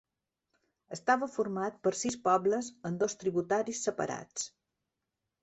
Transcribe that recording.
Estava format per sis pobles amb dos tributaris separats.